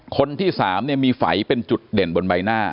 คนที่สามเนี่ยมีไฝเป็นจุดเด่นบนใบหน้า